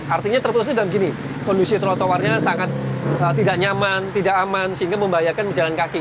artinya terputus itu dengan gini kondisi trotoarnya sangat tidak nyaman tidak aman sehingga membahayakan jalan kaki